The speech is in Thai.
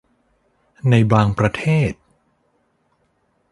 ในบางประเทศ